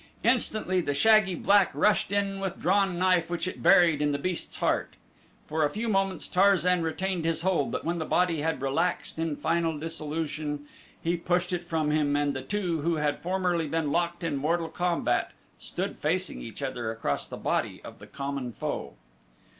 Instantly the shaggy black rushed in with drawn knife which it buried in the beast's heart. For a few moments Tarzan retained his hold but when the body had relaxed in final dissolution he pushed it from him and the two who had formerly been locked in mortal combat stood facing each other across the body of the common foe.